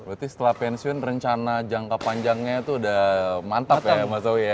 berarti setelah pensiun rencana jangka panjangnya tuh udah mantap ya mas owi ya